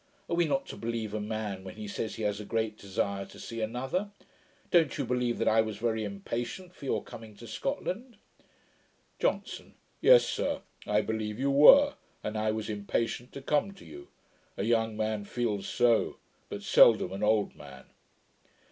Are we not to believe a man, when he says he has a great desire to see another? Don't you believe that I was very impatient for your coming to Scotland?' JOHNSON. 'Yes, sir; I believe you were; and I was impatient to come to you. A young man feels so, but seldom an old man.'